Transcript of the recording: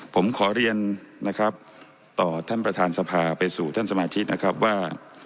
ผมขอเรียนนะครับต่อท่านประธานสภาไปสู่ท่านสมาชิกนะครับว่า